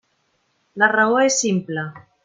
La raó és simple.